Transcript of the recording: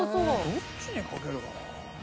どっちにかけようかな。